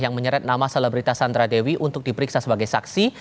yang menyeret nama selebritas sandra dewi untuk diperiksa sebagai saksi